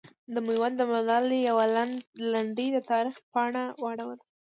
د میوند د ملالې یوه لنډۍ د تاریخ پاڼه واړوله.